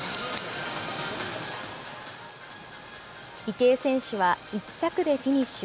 池江選手は１着でフィニッシュ。